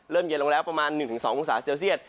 เริ่มเย็นลงแล้วประมาณ๑๒คมศาสตร์เซวเซียส